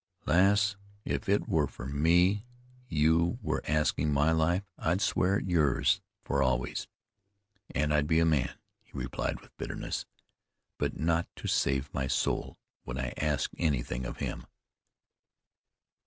"Lass, if it were for me you were asking my life I'd swear it yours for always, and I'd be a man," he replied with bitterness; "but not to save my soul would I ask anything of him."